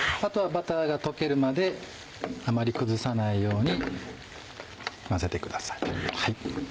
あとはバターが溶けるまであまり崩さないように混ぜてください。